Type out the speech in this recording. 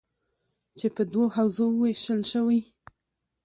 چې په دوو حوزو ویشل شوي: